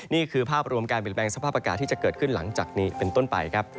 นี่คือภาพรวมการเปลี่ยนแปลงสภาพอากาศที่จะเกิดขึ้นหลังจากนี้เป็นต้นไปครับ